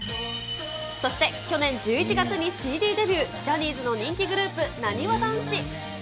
そして去年１１月にＣＤデビュー、ジャニーズの人気グループ、なにわ男子。